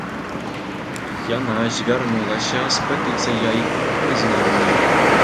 Яна звярнулася з петыцыяй аб прызнанні.